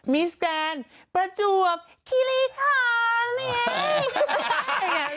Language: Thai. มิสแกนประจวบคิริคันอย่างนั้น